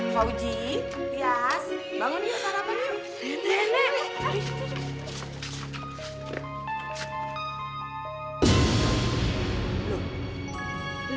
fauzi dias bangun yuk sarapan yuk